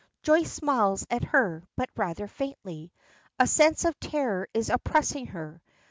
Joyce smiles at her, but rather faintly. A sense of terror is oppressing her.